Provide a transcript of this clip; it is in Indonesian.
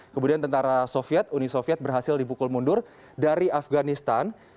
kemudian tentara soviet uni soviet berhasil dibukul mundur dari afganistan